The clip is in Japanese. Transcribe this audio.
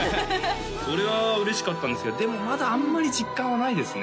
それは嬉しかったんですけどでもまだあんまり実感はないですね